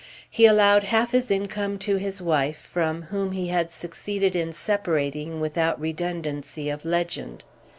He allowed half his income to his wife, from whom he had succeeded in separating without redundancy of legend.